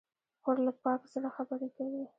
خور له پاک زړه خبرې کوي.